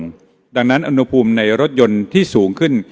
ดังนั้นอุณหภูมิในรถยนต์ที่สูงขึ้น